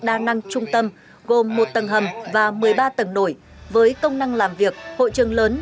đa năng trung tâm gồm một tầng hầm và một mươi ba tầng nổi với công năng làm việc hội trường lớn